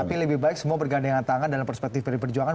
tapi lebih baik semua bergandengan tangan dalam perspektif pd perjuangan